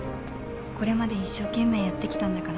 「これまで一生懸命やってきたんだから」